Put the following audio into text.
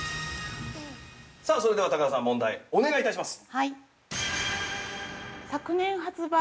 ◆さあ、それでは高田さん問題、お願いいたします。